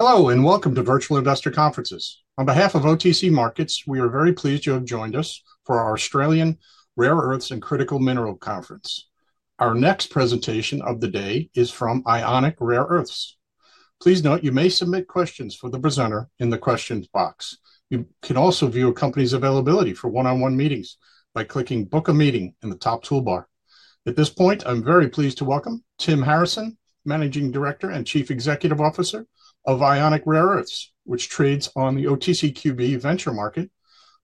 Hello, and welcome to Virtual Investor Conferences. On behalf of OTC Markets, we are very pleased you have joined us for our Australian Rare Earths and Critical Mineral Conference. Our next presentation of the day is from Ionic Rare Earths. Please note you may submit questions for the presenter in the questions box. You can also view a company's availability for one-on-one meetings by clicking "Book a Meeting" in the top toolbar. At this point, I'm very pleased to welcome Tim Harrison, Managing Director and Chief Executive Officer of Ionic Rare Earths, which trades on the OTCQB venture market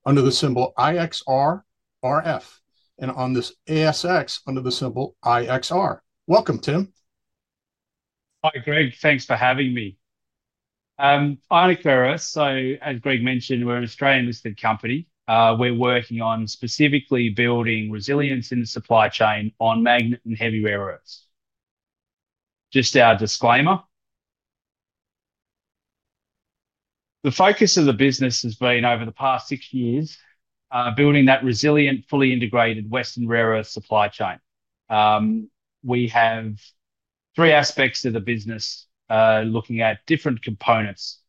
under the symbol IXRRF and on the ASX under the symbol IXR. Welcome, Tim. Hi, Greg. Thanks for having me. Ionic Rare Earths, as Greg mentioned, we're an Australian-listed company. We're working on specifically building resilience in the supply chain on magnet and heavy rare earths. Just our disclaimer. The focus of the business has been, over the past six years, building that resilient, fully integrated Western rare earth supply chain. We have three aspects to the business looking at different components.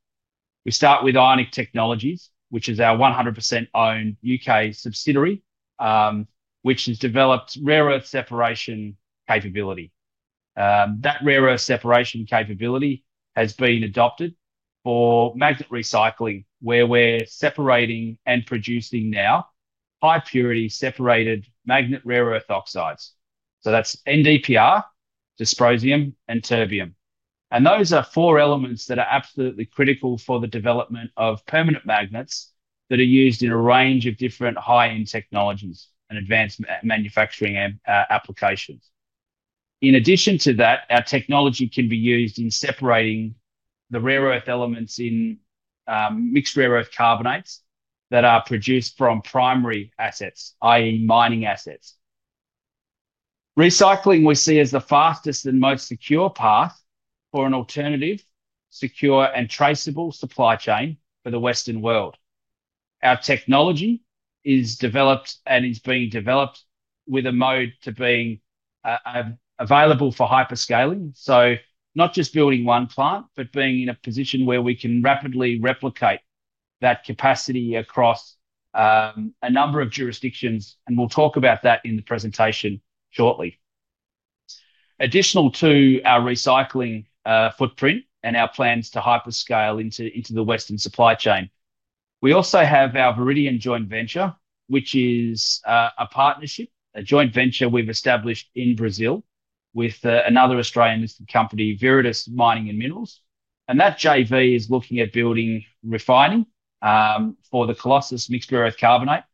We start with Ionic Technologies, which is our 100% owned U.K. subsidiary, which has developed rare earth separation capability. That rare earth separation capability has been adopted for magnet recycling, where we're separating and producing now high-purity separated magnet rare earth oxides. That's NdPr, dysprosium, and terbium. Those are four elements that are absolutely critical for the development of permanent magnets that are used in a range of different high-end technologies and advanced manufacturing applications. In addition to that, our technology can be used in separating the rare earth elements in mixed rare earth carbonates that are produced from primary assets, i.e., mining assets. Recycling we see as the fastest and most secure path for an alternative, secure, and traceable supply chain for the Western world. Our technology is developed and is being developed with a mode to being available for hyperscaling. Not just building one plant, but being in a position where we can rapidly replicate that capacity across a number of jurisdictions. We will talk about that in the presentation shortly. Additional to our recycling footprint and our plans to hyperscale into the Western supply chain, we also have our Viridian joint venture, which is a partnership, a joint venture we have established in Brazil with another Australian-listed company, Viridis Mining and Minerals. That JV is looking at building refining for the Colossus mixed rare earth carbonate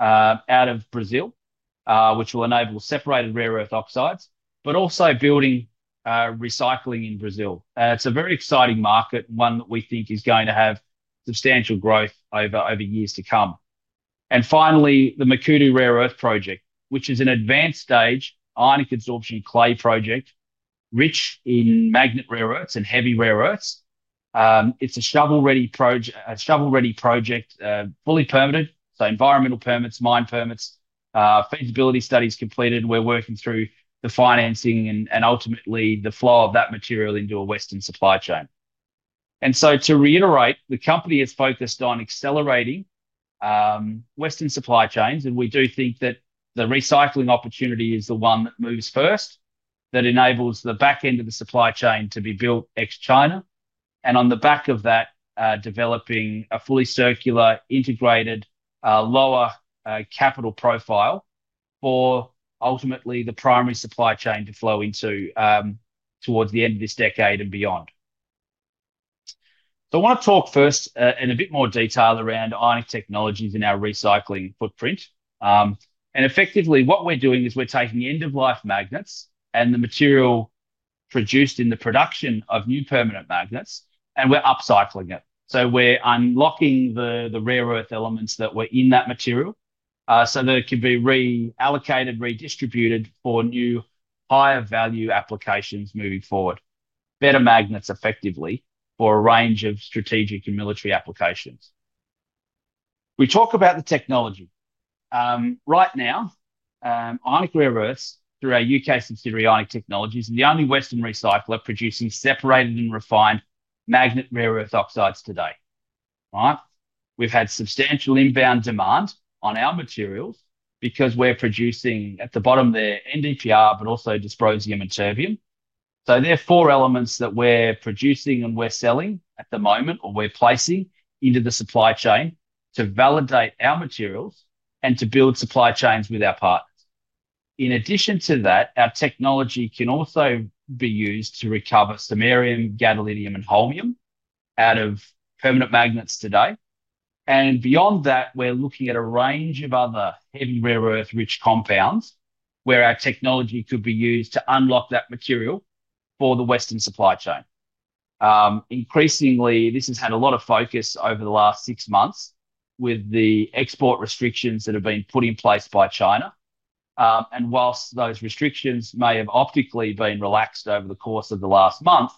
out of Brazil, which will enable separated rare earth oxides, but also building recycling in Brazil. It is a very exciting market, one that we think is going to have substantial growth over years to come. Finally, the Makuutu Rare Earth Project, which is an advanced stage ion-adsorption clay project rich in magnet rare earths and heavy rare earths. It is a shovel-ready project, fully permitted. Environmental permits, mine permits, feasibility studies completed. We are working through the financing and ultimately the flow of that material into a Western supply chain. To reiterate, the company is focused on accelerating Western supply chains. We do think that the recycling opportunity is the one that moves first, that enables the back end of the supply chain to be built ex-China. On the back of that, developing a fully circular, integrated, lower capital profile for ultimately the primary supply chain to flow into towards the end of this decade and beyond. I want to talk first in a bit more detail around Ionic Technologies and our recycling footprint. Effectively, what we're doing is we're taking end-of-life magnets and the material produced in the production of new permanent magnets, and we're upcycling it. We're unlocking the rare earth elements that were in that material so that it can be reallocated, redistributed for new higher value applications moving forward, better magnets effectively for a range of strategic and military applications. We talk about the technology. Right now, Ionic Rare Earths, through our U.K. subsidiary Ionic Technologies, is the only Western recycler producing separated and refined magnet rare earth oxides today. We've had substantial inbound demand on our materials because we're producing at the bottom there NdPr, but also dysprosium and terbium. There are four elements that we're producing and we're selling at the moment or we're placing into the supply chain to validate our materials and to build supply chains with our partners. In addition to that, our technology can also be used to recover samarium, gadolinium, and holmium out of permanent magnets today. Beyond that, we're looking at a range of other heavy rare earth-rich compounds where our technology could be used to unlock that material for the Western supply chain. Increasingly, this has had a lot of focus over the last six months with the export restrictions that have been put in place by China. Whilst those restrictions may have optically been relaxed over the course of the last month,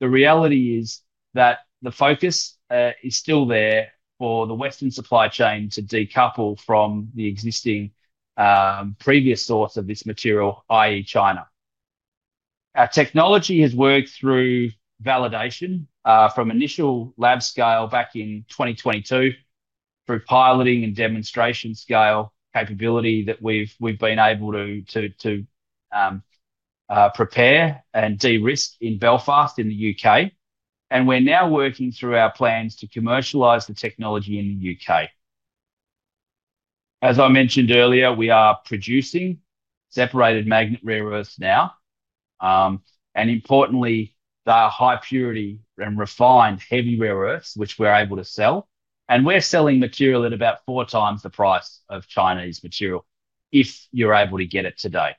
the reality is that the focus is still there for the Western supply chain to decouple from the existing previous source of this material, i.e., China. Our technology has worked through validation from initial lab scale back in 2022 through piloting and demonstration scale capability that we have been able to prepare and de-risk in Belfast in the U.K. We are now working through our plans to commercialize the technology in the U.K. As I mentioned earlier, we are producing separated magnet rare earths now. Importantly, they are high-purity and refined heavy rare earths, which we are able to sell. We are selling material at about four times the price of Chinese material if you are able to get it today.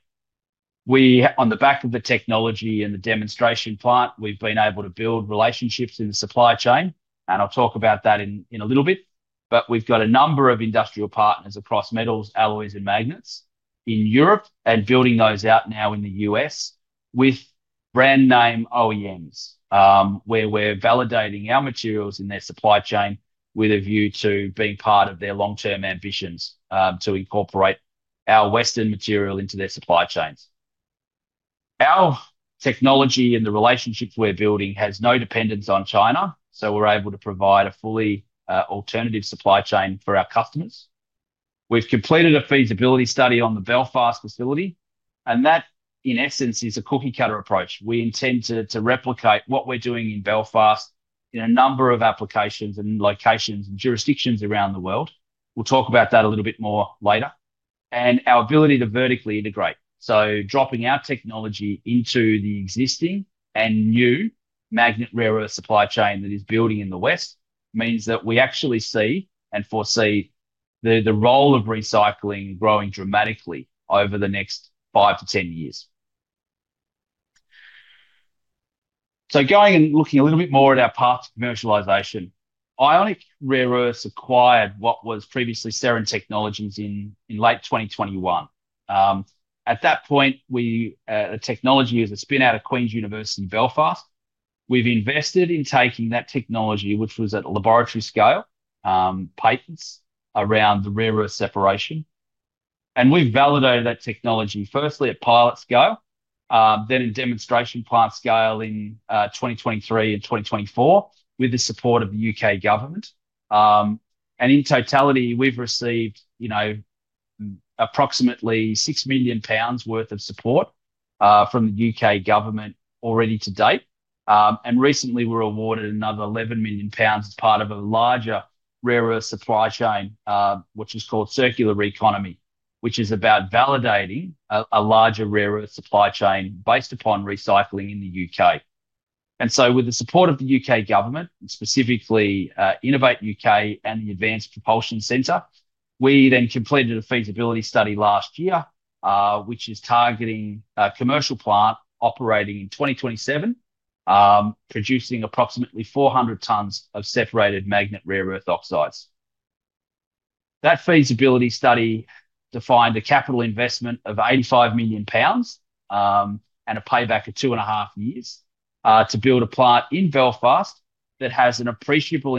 On the back of the technology and the demonstration plant, we've been able to build relationships in the supply chain. I'll talk about that in a little bit. We've got a number of industrial partners across metals, alloys, and magnets in Europe and building those out now in the U.S. with brand name OEMs where we're validating our materials in their supply chain with a view to being part of their long-term ambitions to incorporate our Western material into their supply chains. Our technology and the relationships we're building has no dependence on China. We are able to provide a fully alternative supply chain for our customers. We've completed a feasibility study on the Belfast facility. That, in essence, is a cookie-cutter approach. We intend to replicate what we're doing in Belfast in a number of applications and locations and jurisdictions around the world. We'll talk about that a little bit more later. Our ability to vertically integrate, dropping our technology into the existing and new magnet rare earth supply chain that is building in the West, means that we actually see and foresee the role of recycling growing dramatically over the next 5-10 years. Going and looking a little bit more at our path to commercialization, Ionic Rare Earths acquired what was previously Seren Technologies in late 2021. At that point, the technology was a spin-out of Queen's University in Belfast. We've invested in taking that technology, which was at laboratory scale, patents around the rare earth separation. We've validated that technology firstly at pilot scale, then in demonstration plant scale in 2023 and 2024 with the support of the U.K. government. In totality, we've received approximately 6 million pounds worth of support from the U.K. government already to date. Recently, we were awarded another 11 million pounds as part of a larger rare earth supply chain, which is called Circular Economy, which is about validating a larger rare earth supply chain based upon recycling in the U.K. With the support of the U.K. government, specifically Innovate U.K. and the Advanced Propulsion Center, we then completed a feasibility study last year, which is targeting a commercial plant operating in 2027, producing approximately 400 tons of separated magnet rare earth oxides. That feasibility study defined a capital investment of 85 million pounds and a payback of two and a half years to build a plant in Belfast that has appreciable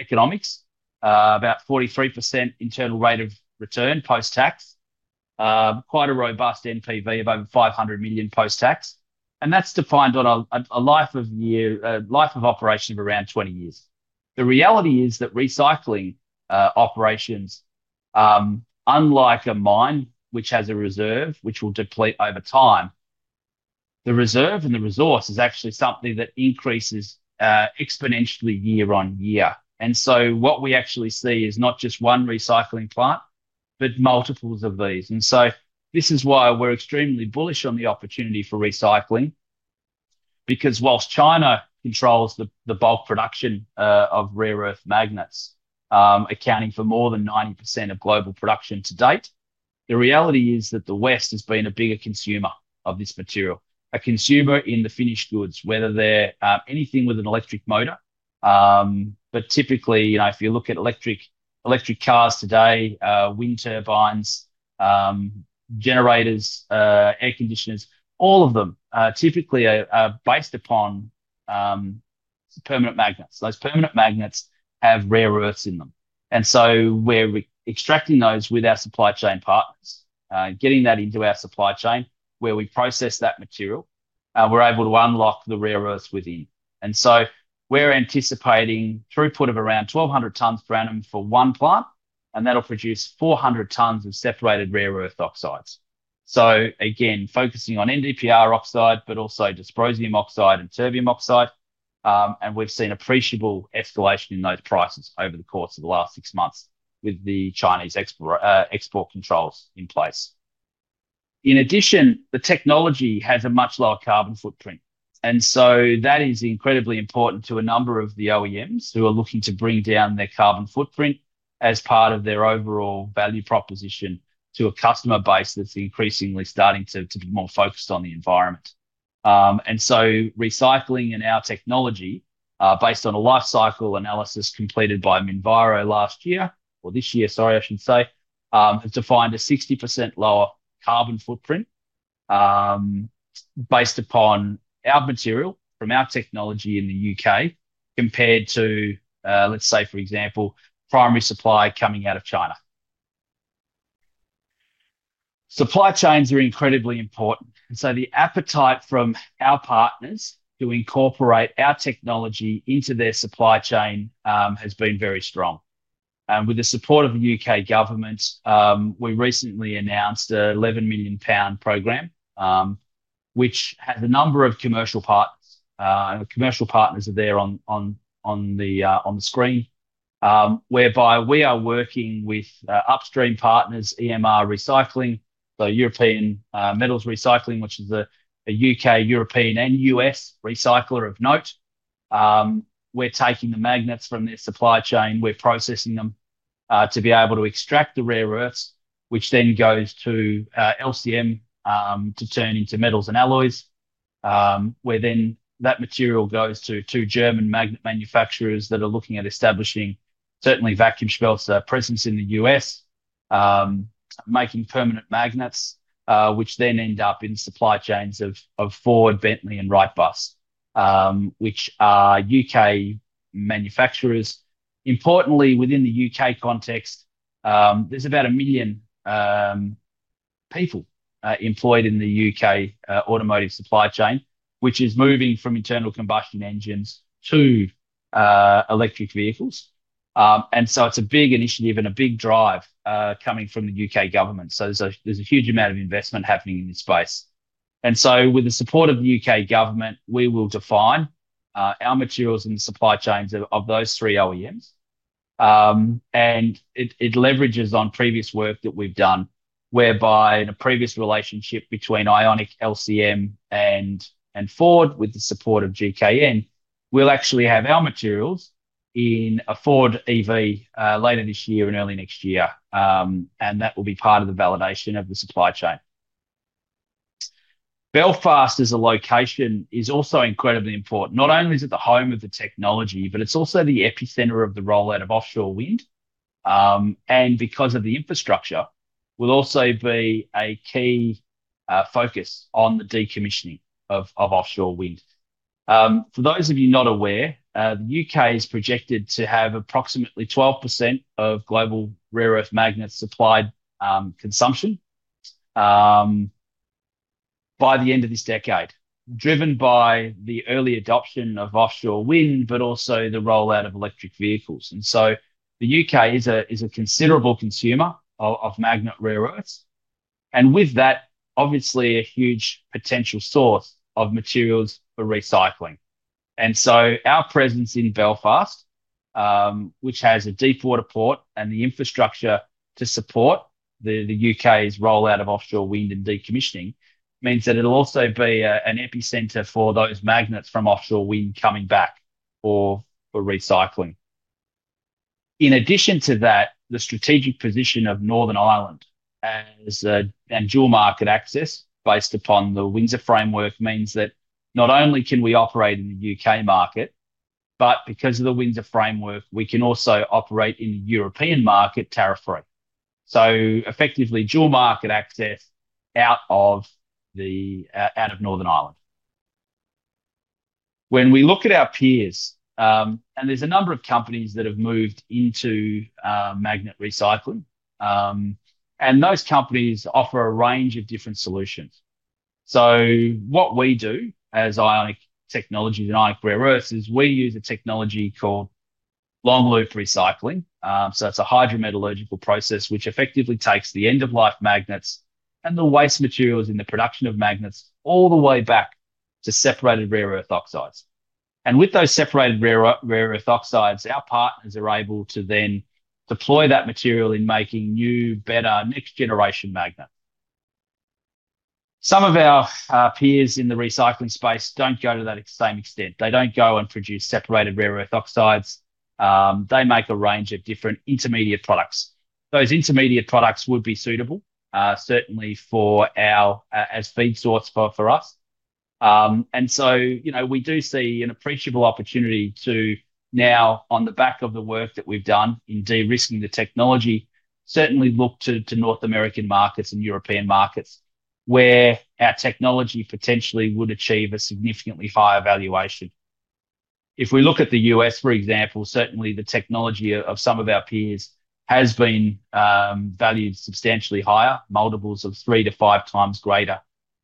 economics, about 43% internal rate of return post-tax, quite a robust NPV of over 500 million post-tax. That's defined on a life of operation of around 20 years. The reality is that recycling operations, unlike a mine which has a reserve which will deplete over time, the reserve and the resource is actually something that increases exponentially year on-year. What we actually see is not just one recycling plant, but multiples of these. This is why we're extremely bullish on the opportunity for recycling. Whilst China controls the bulk production of rare earth magnets, accounting for more than 90% of global production to date, the reality is that the West has been a bigger consumer of this material. A consumer in the finished goods, whether they're anything with an electric motor. Typically, if you look at electric cars today, wind turbines, generators, air conditioners, all of them are typically based upon permanent magnets. Those permanent magnets have rare earths in them. We are extracting those with our supply chain partners, getting that into our supply chain where we process that material, and we are able to unlock the rare earths within. We are anticipating throughput of around 1,200 tons per annum for one plant, and that will produce 400 tons of separated rare earth oxides. Again, focusing on NdPr oxide, but also dysprosium oxide and terbium oxide. We have seen appreciable escalation in those prices over the course of the last six months with the Chinese export controls in place. In addition, the technology has a much lower carbon footprint. That is incredibly important to a number of the OEMs who are looking to bring down their carbon footprint as part of their overall value proposition to a customer base that is increasingly starting to be more focused on the environment. Recycling and our technology, based on a life cycle analysis completed by Minviro last year or this year, sorry, I should say, has defined a 60% lower carbon footprint based upon our material from our technology in the U.K. compared to, let's say, for example, primary supply coming out of China. Supply chains are incredibly important. The appetite from our partners to incorporate our technology into their supply chain has been very strong. With the support of the U.K. government, we recently announced a 11 million pound program, which has a number of commercial partners. The commercial partners are there on the screen, whereby we are working with upstream partners, EMR Recycling, the European Metals Recycling, which is a U.K., European, and U.S. recycler of note. We are taking the magnets from their supply chain. We're processing them to be able to extract the rare earths, which then goes to LCM to turn into metals and alloys. Where then that material goes to German magnet manufacturers that are looking at establishing certainly Vacuumschmelze presence in the U.S., making permanent magnets, which then end up in supply chains of Ford, Bentley, and Wrightbus, which are U.K. manufacturers. Importantly, within the U.K. context, there's about a million people employed in the U.K. automotive supply chain, which is moving from internal combustion engines to electric vehicles. It is a big initiative and a big drive coming from the U.K. government. There is a huge amount of investment happening in this space. With the support of the U.K. government, we will define our materials in the supply chains of those three OEMs. It leverages on previous work that we've done, whereby in a previous relationship between Ionic, LCM, and Ford, with the support of GKN, we'll actually have our materials in a Ford EV later this year and early next year. That will be part of the validation of the supply chain. Belfast as a location is also incredibly important. Not only is it the home of the technology, but it's also the epicenter of the rollout of offshore wind. Because of the infrastructure, it will also be a key focus on the decommissioning of offshore wind. For those of you not aware, the U.K. is projected to have approximately 12% of global rare earth magnets supplied consumption by the end of this decade, driven by the early adoption of offshore wind, but also the rollout of electric vehicles. The U.K. is a considerable consumer of magnet rare earths. With that, obviously a huge potential source of materials for recycling. Our presence in Belfast, which has a deep water port and the infrastructure to support the U.K.'s rollout of offshore wind and decommissioning, means that it will also be an epicenter for those magnets from offshore wind coming back for recycling. In addition to that, the strategic position of Northern Ireland and dual market access based upon the Windsor framework means that not only can we operate in the U.K. market, but because of the Windsor framework, we can also operate in the European market tariff-free. Effectively, dual market access out of Northern Ireland. When we look at our peers, and there are a number of companies that have moved into magnet recycling. Those companies offer a range of different solutions. What we do as Ionic Technologies and Ionic Rare Earths is we use a technology called long-loop recycling. It is a hydrometallurgical process, which effectively takes the end-of-life magnets and the waste materials in the production of magnets all the way back to separated rare earth oxides. With those separated rare earth oxides, our partners are able to then deploy that material in making new, better, next-generation magnets. Some of our peers in the recycling space do not go to that same extent. They do not go and produce separated rare earth oxides. They make a range of different intermediate products. Those intermediate products would be suitable, certainly for our feed source for us. We do see an appreciable opportunity to now, on the back of the work that we've done in de-risking the technology, certainly look to North American markets and European markets where our technology potentially would achieve a significantly higher valuation. If we look at the U.S., for example, certainly the technology of some of our peers has been valued substantially higher, multiples of three to five times greater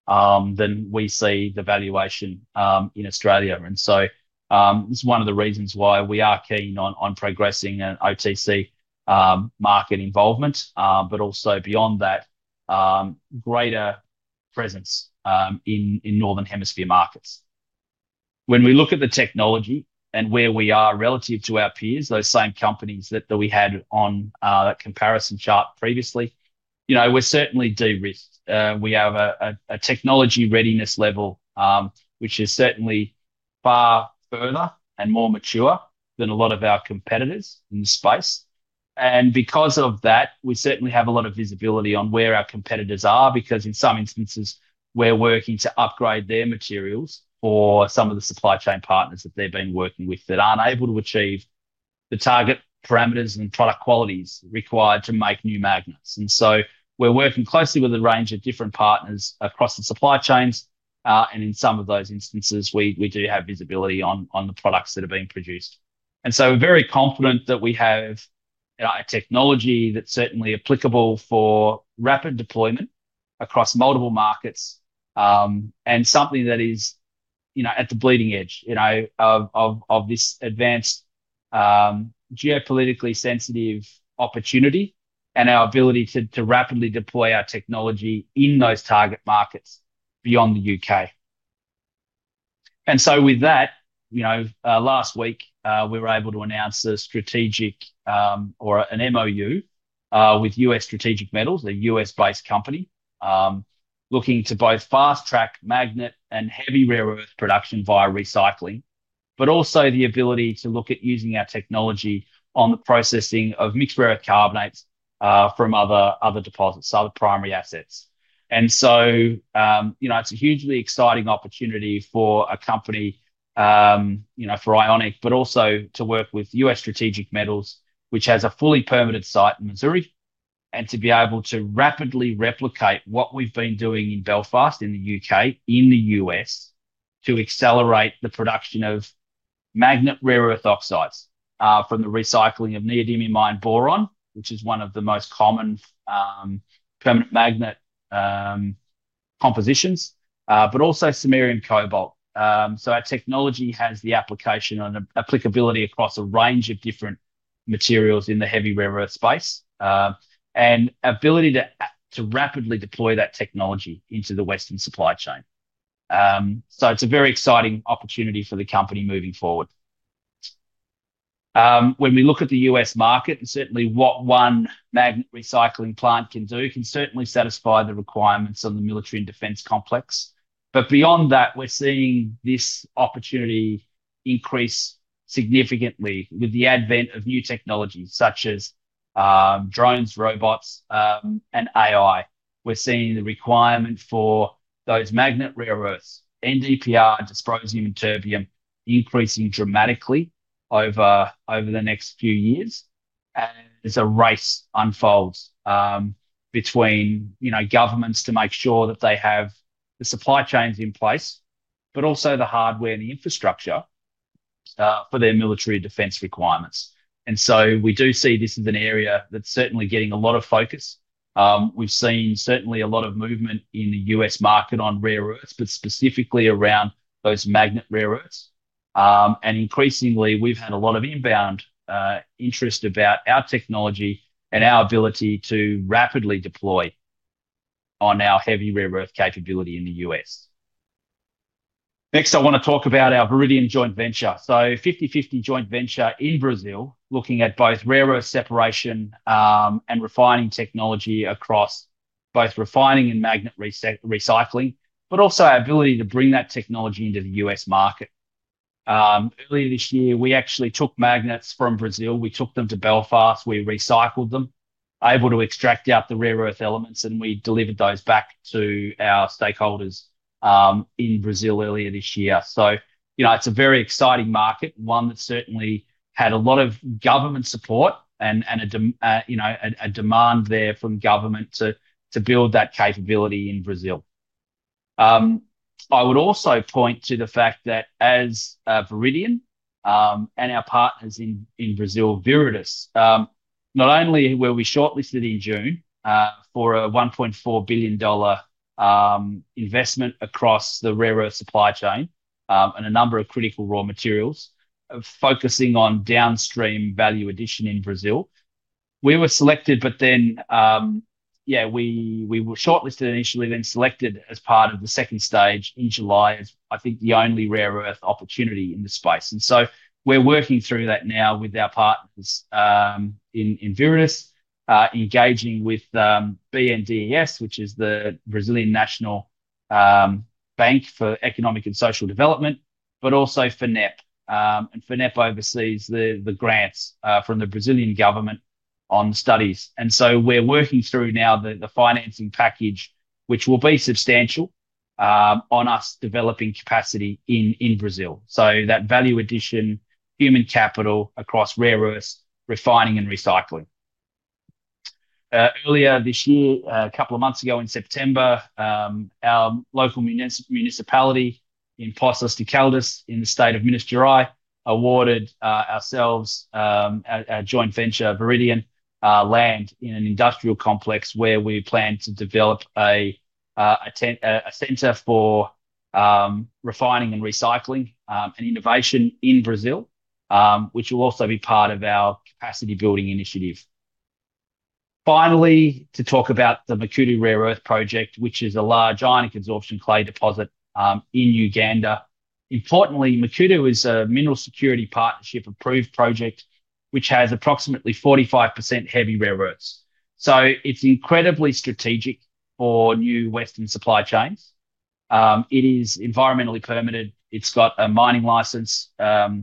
than we see the valuation in Australia. It is one of the reasons why we are keen on progressing OTC Markets involvement, but also beyond that, greater presence in northern hemisphere markets. When we look at the technology and where we are relative to our peers, those same companies that we had on that comparison chart previously, we're certainly de-risked. We have a technology readiness level, which is certainly far further and more mature than a lot of our competitors in the space. Because of that, we certainly have a lot of visibility on where our competitors are because in some instances, we're working to upgrade their materials for some of the supply chain partners that they've been working with that aren't able to achieve the target parameters and product qualities required to make new magnets. We are working closely with a range of different partners across the supply chains. In some of those instances, we do have visibility on the products that are being produced. We are very confident that we have a technology that is certainly applicable for rapid deployment across multiple markets and something that is at the bleeding edge of this advanced geopolitically sensitive opportunity and our ability to rapidly deploy our technology in those target markets beyond the U.K. With that, last week, we were able to announce a strategic or an MOU with US Strategic Metals, a U.S.-based company, looking to both fast-track magnet and heavy rare earth production via recycling, but also the ability to look at using our technology on the processing of mixed rare earth carbonates from other deposits, other primary assets. It is a hugely exciting opportunity for a company for Ionic, but also to work with US Strategic Metals, which has a fully permitted site in Missouri, and to be able to rapidly replicate what we've been doing in Belfast in the U.K., in the U.S., to accelerate the production of magnet rare earth oxides from the recycling of neodymium iron boron, which is one of the most common permanent magnet compositions, but also samarium cobalt. Our technology has the application and applicability across a range of different materials in the heavy rare earth space and ability to rapidly deploy that technology into the Western supply chain. It is a very exciting opportunity for the company moving forward. When we look at the U.S. market and certainly what one magnet recycling plant can do, it can certainly satisfy the requirements on the military and defense complex. Beyond that, we're seeing this opportunity increase significantly with the advent of new technologies such as drones, robots, and AI. We're seeing the requirement for those magnet rare earths, NdPr, dysprosium, and terbium increasing dramatically over the next few years. It's a race that unfolds between governments to make sure that they have the supply chains in place, but also the hardware and the infrastructure for their military defense requirements. We do see this as an area that's certainly getting a lot of focus. We've seen certainly a lot of movement in the U.S. market on rare earths, but specifically around those magnet rare earths. Increasingly, we've had a lot of inbound interest about our technology and our ability to rapidly deploy on our heavy rare earth capability in the U.S. Next, I want to talk about our Viridian joint venture. A 50/50 joint venture in Brazil, looking at both rare earth separation and refining technology across both refining and magnet recycling, but also our ability to bring that technology into the U.S. market. Earlier this year, we actually took magnets from Brazil. We took them to Belfast. We recycled them, able to extract out the rare earth elements, and we delivered those back to our stakeholders in Brazil earlier this year. It is a very exciting market, one that certainly had a lot of government support and a demand there from government to build that capability in Brazil. I would also point to the fact that as Viridian and our partners in Brazil, Viridis, not only were we shortlisted in June for a $1.4 billion investment across the rare earth supply chain and a number of critical raw materials, focusing on downstream value addition in Brazil, we were selected, yeah, we were shortlisted initially, then selected as part of the second stage in July as, I think, the only rare earth opportunity in the space. We are working through that now with our partners in Viridis, engaging with BNDES, which is the Brazilian National Bank for Economic and Social Development, but also FINEP. FINEP oversees the grants from the Brazilian government on studies. We are working through now the financing package, which will be substantial on us developing capacity in Brazil. That value addition, human capital across rare earths, refining and recycling. Earlier this year, a couple of months ago in September, our local municipality in Poços de Caldas in the state of Minas Gerais awarded ourselves a joint venture, Viridian, land in an industrial complex where we plan to develop a center for refining and recycling and innovation in Brazil, which will also be part of our capacity building initiative. Finally, to talk about the Makuutu Rare Earth Project, which is a large ion-adsorption clay deposit in Uganda. Importantly, Makuutu is a Mineral Security Partnership approved project, which has approximately 45% heavy rare earths. It is incredibly strategic for new Western supply chains. It is environmentally permitted. It has a mining license. It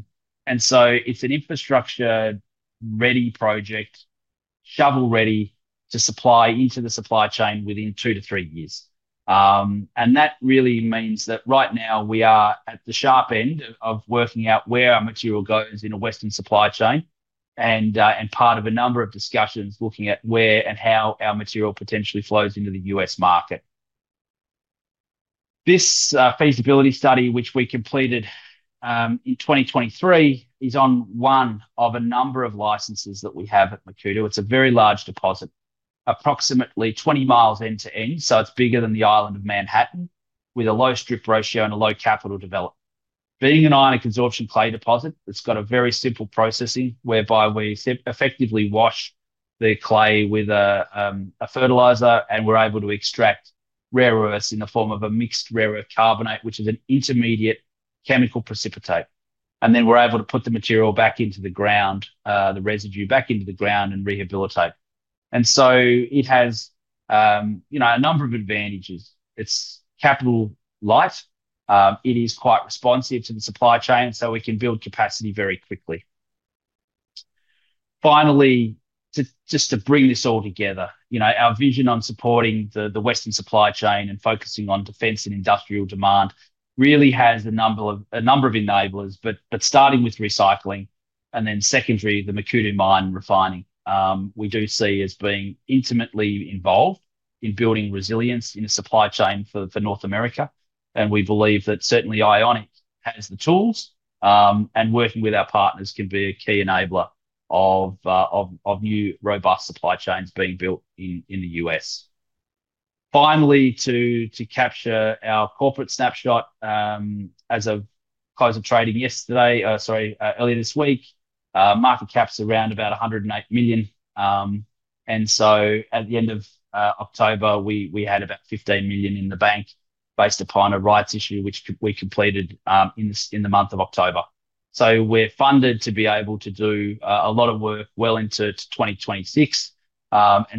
is an infrastructure-ready project, shovel-ready to supply into the supply chain within two to three years. That really means that right now we are at the sharp end of working out where our material goes in a Western supply chain and part of a number of discussions looking at where and how our material potentially flows into the US market. This feasibility study, which we completed in 2023, is on one of a number of licenses that we have at Makuutu. It is a very large deposit, approximately 20 mi end to end. It is bigger than the island of Manhattan, with a low strip ratio and a low capital development. Being an ion-adsorption clay deposit, it has a very simple processing whereby we effectively wash the clay with a fertilizer and we are able to extract rare earths in the form of a mixed rare earth carbonate, which is an intermediate chemical precipitate. We are able to put the material back into the ground, the residue back into the ground, and rehabilitate. It has a number of advantages. It is capital light. It is quite responsive to the supply chain, so we can build capacity very quickly. Finally, just to bring this all together, our vision on supporting the Western supply chain and focusing on defense and industrial demand really has a number of enablers, but starting with recycling and then secondary, the Makuutu mine and refining, we do see as being intimately involved in building resilience in the supply chain for North America. We believe that certainly Ionic has the tools and, working with our partners, can be a key enabler of new robust supply chains being built in the U.S. Finally, to capture our corporate snapshot, as of closing trading yesterday, sorry, earlier this week, market caps are around about 108 million. At the end of October, we had about 15 million in the bank based upon a rights issue, which we completed in the month of October. We are funded to be able to do a lot of work well into 2026.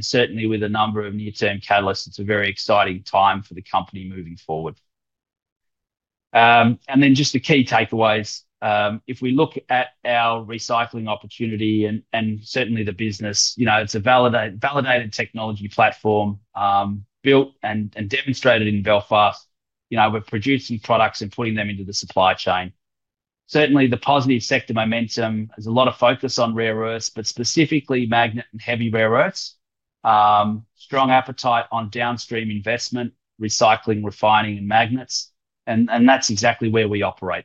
Certainly with a number of near-term catalysts, it is a very exciting time for the company moving forward. Just the key takeaways. If we look at our recycling opportunity and certainly the business, it is a validated technology platform built and demonstrated in Belfast. We are producing products and putting them into the supply chain. Certainly, the positive sector momentum has a lot of focus on rare earths, but specifically magnet and heavy rare earths, strong appetite on downstream investment, recycling, refining, and magnets. That is exactly where we operate.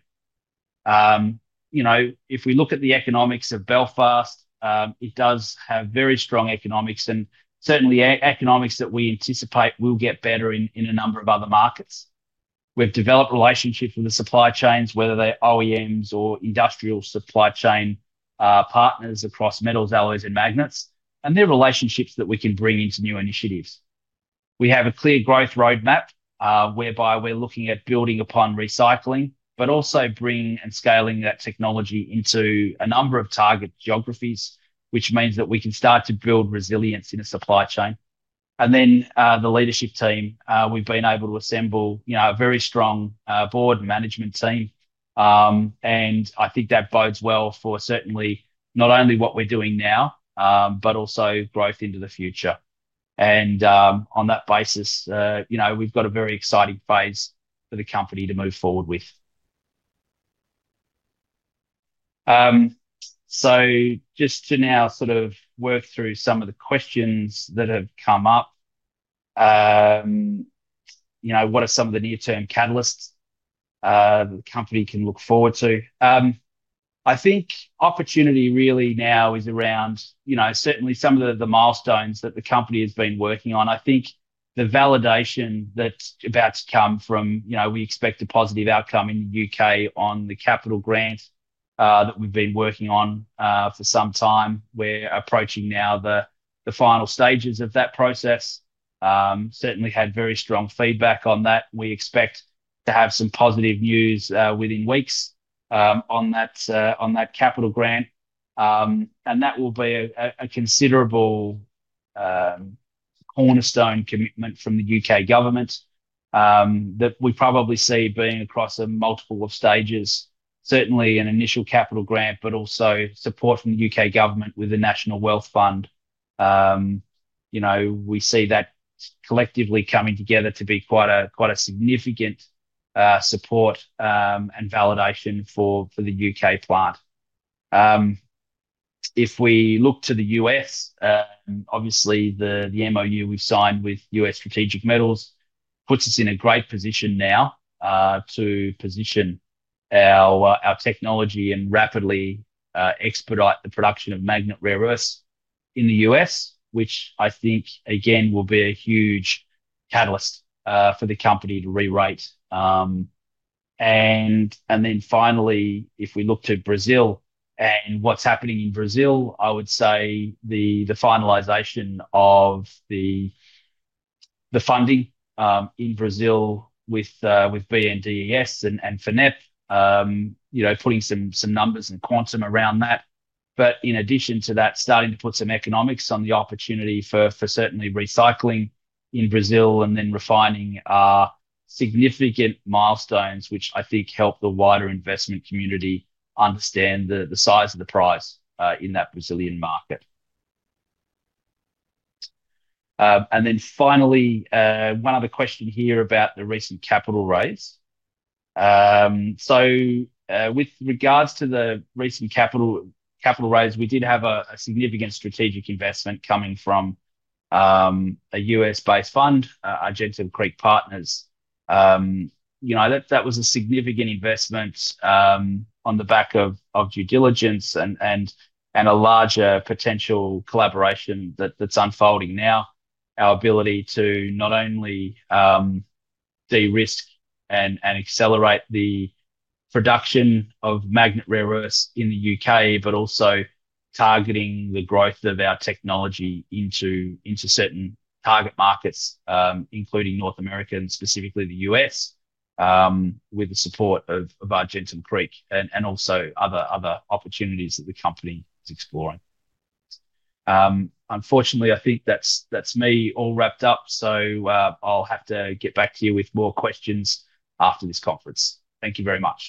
If we look at the economics of Belfast, it does have very strong economics and certainly economics that we anticipate will get better in a number of other markets. We have developed relationships with the supply chains, whether they are OEMs or industrial supply chain partners across metals, alloys, and magnets, and they are relationships that we can bring into new initiatives. We have a clear growth roadmap whereby we are looking at building upon recycling, but also bringing and scaling that technology into a number of target geographies, which means that we can start to build resilience in a supply chain. The leadership team, we have been able to assemble a very strong board and management team. I think that bodes well for certainly not only what we are doing now, but also growth into the future. On that basis, we've got a very exciting phase for the company to move forward with. Just to now sort of work through some of the questions that have come up, what are some of the near-term catalysts the company can look forward to? I think opportunity really now is around certainly some of the milestones that the company has been working on. I think the validation that's about to come from we expect a positive outcome in the U.K. on the capital grant that we've been working on for some time. We're approaching now the final stages of that process. Certainly had very strong feedback on that. We expect to have some positive news within weeks on that capital grant. That will be a considerable cornerstone commitment from the U.K. government that we probably see being across multiple stages. Certainly an initial capital grant, but also support from the U.K. government with the National Wealth Fund. We see that collectively coming together to be quite a significant support and validation for the U.K. plant. If we look to the U.S., obviously the MOU we've signed with US Strategic Metals puts us in a great position now to position our technology and rapidly expedite the production of magnet rare earths in the U.S., which I think, again, will be a huge catalyst for the company to re-rate. Finally, if we look to Brazil and what's happening in Brazil, I would say the finalization of the funding in Brazil with BNDES and FINEP, putting some numbers and quantum around that. In addition to that, starting to put some economics on the opportunity for certainly recycling in Brazil and then refining are significant milestones, which I think help the wider investment community understand the size of the price in that Brazilian market. Finally, one other question here about the recent capital raise. With regards to the recent capital raise, we did have a significant strategic investment coming from a US-based fund, Argentum Creek Partners. That was a significant investment on the back of due diligence and a larger potential collaboration that's unfolding now. Our ability to not only de-risk and accelerate the production of magnet rare earths in the U.K., but also targeting the growth of our technology into certain target markets, including North America and specifically the U.S., with the support of Argentum Creek and also other opportunities that the company is exploring. I think that's me all wrapped up. I'll have to get back to you with more questions after this conference. Thank you very much.